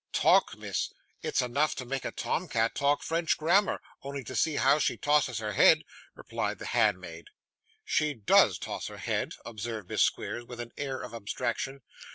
'Talk, miss! It's enough to make a Tom cat talk French grammar, only to see how she tosses her head,' replied the handmaid. 'She DOES toss her head,' observed Miss Squeers, with an air of abstraction.